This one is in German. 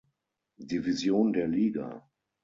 Division der Liga.